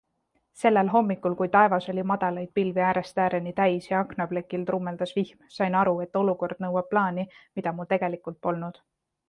Sellel hommikul, kui taevas oli madalaid pilvi äärest ääreni täis ja aknaplekil trummeldas vihm, sain aru, et olukord nõuab plaani, mida mul tegelikult polnud.